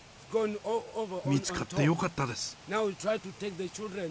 見つかってよかったです。